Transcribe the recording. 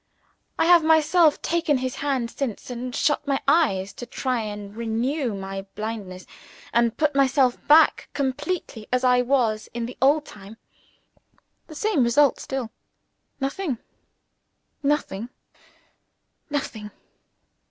I have myself taken his hand since, and shut my eyes to try and renew my blindness, and put myself back completely as I was in the old time. The same result still. Nothing, nothing, nothing!